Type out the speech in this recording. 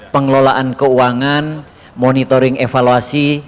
pengelolaan keuangan monitoring evaluasi